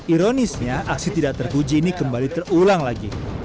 ironisnya aksi tidak terpuji ini kembali terulang lagi